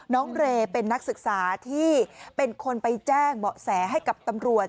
เรย์เป็นนักศึกษาที่เป็นคนไปแจ้งเบาะแสให้กับตำรวจ